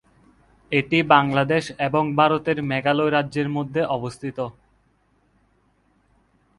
এটি বাংলাদেশ এবং ভারতের মেঘালয় রাজ্যের মধ্যে অবস্থিত।